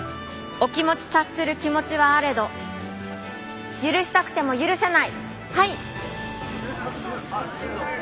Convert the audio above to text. お気持ち察する気持ちはあれど許したくても許せない。